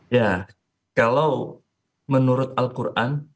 ya kalau menurut al qur an